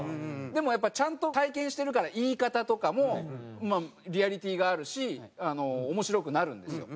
でもやっぱちゃんと体験してるから言い方とかもまあリアリティーがあるし面白くなるんですよ。